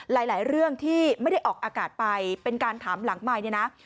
หลายเรื่องที่ไม่ได้ออกอากาศไปเป็นการถามหลังใหม่เนี่ยนะ